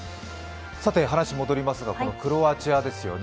さて、話、戻りますがクロアチアですよね。